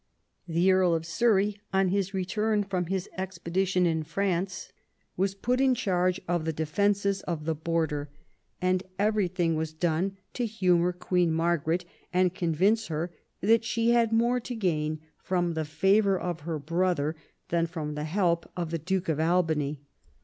The Earl of Surrey, on his return from his expedition in France, was put in charge of the defences of the Border, and everything was done VI THE IMPERIAL ALLIANCE 93 to humour Queen Margaret, and convince her that she had more to gain from the favour of her brother than from the help of the Duke of Albany.